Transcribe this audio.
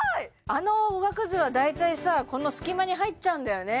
あのおがくずは大体さこの隙間に入っちゃうんだよね